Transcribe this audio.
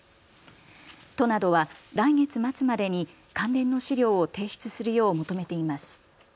都などは来月末までに関連の資料を提出するよう求めています。